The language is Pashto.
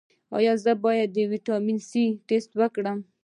ایا زه باید د ویټامین سي ټسټ وکړم؟